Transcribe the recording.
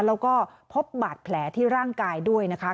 แล้วก็พบบาดแผลที่ร่างกายด้วยนะคะ